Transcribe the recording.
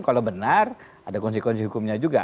kalau benar ada konsekuensi hukumnya juga